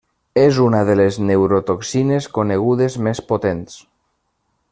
És una de les neurotoxines conegudes més potents.